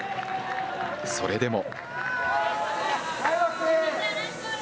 それでも。